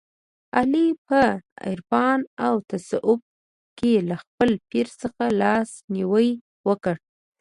علي په عرفان او تصوف کې له خپل پیر څخه لاس نیوی وکړ.